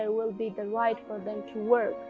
saya berharap mereka bisa bekerja